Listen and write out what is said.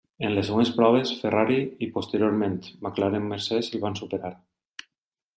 En les següents proves Ferrari, i, posteriorment McLaren Mercès el van superar.